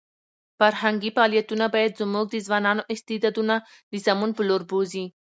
فرهنګي فعالیتونه باید زموږ د ځوانانو استعدادونه د سمون په لور بوځي.